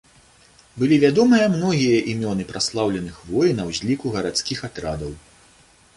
Былі вядомыя многія імёны праслаўленых воінаў з ліку гарадскіх атрадаў.